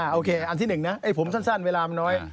อ่าโอเคอันที่๑นะผมสั้นเวลามันน้อย